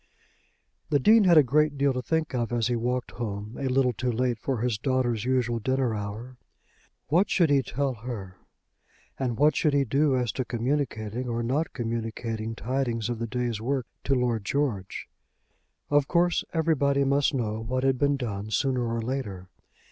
The Dean had a great deal to think of as he walked home a little too late for his daughter's usual dinner hour. What should he tell her; and what should he do as to communicating or not communicating tidings of the day's work to Lord George? Of course everybody must know what had been done sooner or later.